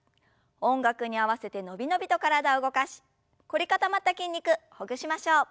音楽に合わせて伸び伸びと体を動かし凝り固まった筋肉ほぐしましょう。